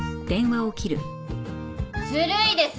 ずるいです